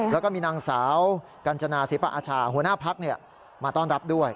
แล้วก็มีนางสาวกัญจนาศิลปะอาชาหัวหน้าพักมาต้อนรับด้วย